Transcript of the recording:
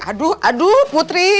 aduh aduh putri